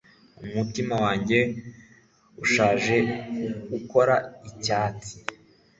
Mumutima wanjye ushaje ukora icyatsi